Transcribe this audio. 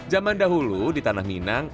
zaman dahulu di tanah minang